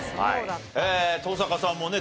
登坂さんもね